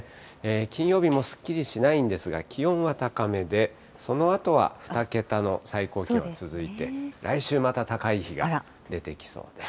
金曜日もすっきりしないんですが、気温は高めで、そのあとは２桁の最高気温が続いて、来週また高い日が出てきそうです。